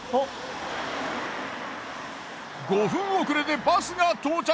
５分遅れでバスが到着。